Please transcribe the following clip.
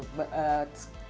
terlihat lebih baik